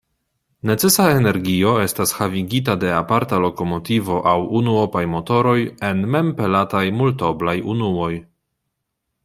Necesa energio estas havigita de aparta lokomotivo aŭ unuopaj motoroj en mem-pelataj multoblaj unuoj.